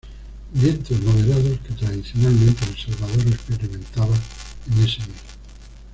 Vientos moderados que, tradicionalmente, El Salvador experimentaba en ese mes.